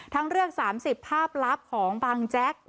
ทั้งเรื่อง๓๐ภาพลับของบางแจ๊ก